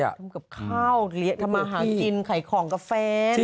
ทำกับข้าวทำมาหากินขายของกับแฟน